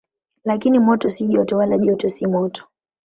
Lakini moto si joto, wala joto si moto.